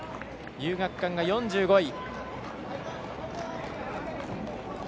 遊学館が４５位。